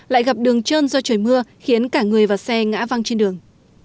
lại gặp đường trơn do trời mưa khiến cả người và xe ngã văng trên đường